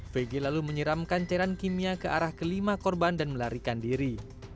vg lalu menyiramkan cairan kimia ke arah kelima korban dan melarikan diri